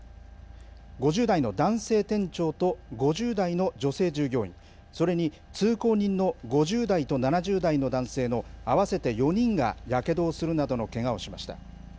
５０代の男性店長と５０代の女性従業員、それに通行人の５０代と７０代の男性の合わせて４人がやけどをするなどのけがをしました。